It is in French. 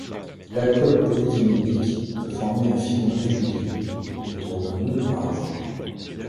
L'alcool polyvinylique peut former un film régulier, autour d'un moule par exemple.